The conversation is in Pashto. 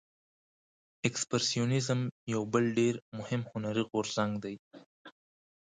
اکسپرسیونیزم یو بل ډیر مهم هنري غورځنګ دی.